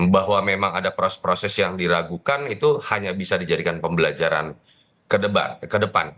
bahwa memang ada proses proses yang diragukan itu hanya bisa dijadikan pembelajaran ke depan